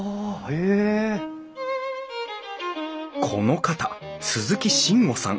この方鈴木進悟さん。